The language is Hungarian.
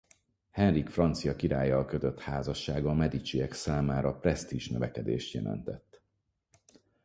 Henrik francia királlyal kötött házassága a Mediciek számára presztízs-növekedést jelentett.